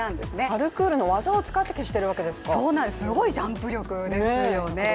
パルクールの技を使って消しているわけですかそうなんです、すごいジャンプ力ですよね